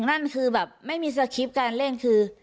นั่นคือแบบไม่มีสคริปต์การเล่นคือ